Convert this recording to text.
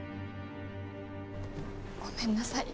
ごめんなさい